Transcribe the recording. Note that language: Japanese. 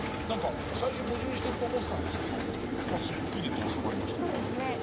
何か最初は矛盾してると思ってたんですけどすっきりと収まりましたね。